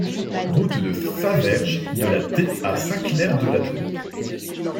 Route de Faverges de la T à Saint-Clair-de-la-Tour